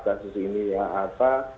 kasus ini apa